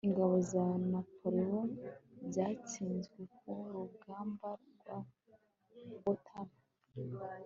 ingabo za napoleon zatsinzwe ku rugamba rwa waterloo